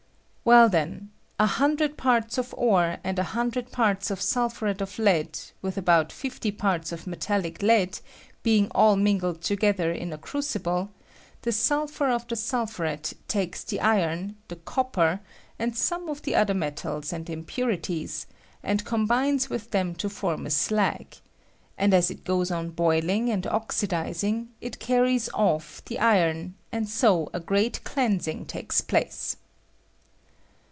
"Well, then, a hundred parts of ore and a hundred parts of sulphuret of lead, with about fifty parts of me talhc lead, being all mingled together in a cru cible, the sulphur of the sulphuret takes the iron, the copper, and some of the other metala and impurities, and combines with them to form a slag; and as it goes on boiling and oiidiaing, it carries off the iron, and so a great cleansing takes place.